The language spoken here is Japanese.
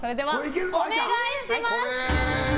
お願いします！